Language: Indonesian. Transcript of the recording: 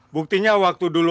buktinya waktu dulu